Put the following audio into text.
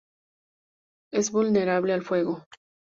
Es vulnerable al fuego.